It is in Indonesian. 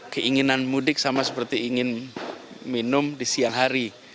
keinginan mudik sama seperti ingin minum di siang hari